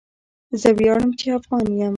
زه ویاړم چی افغان يم